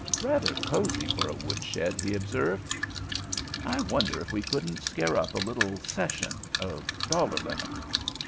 "Rather cozy for a woodshed," he observed. "I wonder if we couldn't scare up a little session of dollar limit?"